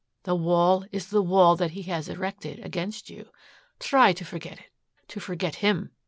The wall is the wall that he has erected against you. Try to forget it to forget him.